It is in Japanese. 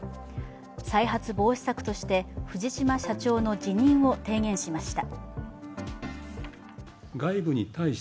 再発防止策として藤島社長の辞任を提言しました。